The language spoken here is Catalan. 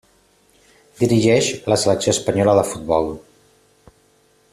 Dirigeix la selecció espanyola de futbol.